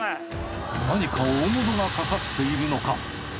何か大物が掛かっているのか？